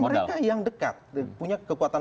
mereka yang dekat punya kekuatan